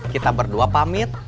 kita berdua pamit